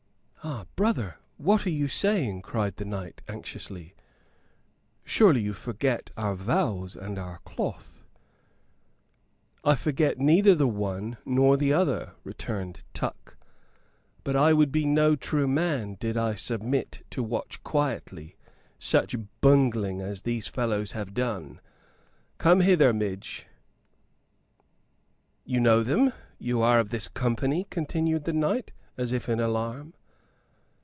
"Ah, brother, what are you saying?" cried the knight, anxiously. "Surely you forget our vows and our cloth." "I forget neither the one nor the other," returned Tuck. "But I would be no true man did I submit to watch quietly such bungling as these fellows have done. Come hither, Midge." "You know them you are of this company?" continued the knight, as if in alarm.